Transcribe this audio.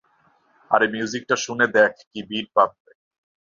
আরে মিউজিকটা শুনে দেখ কী বিট বাপরে!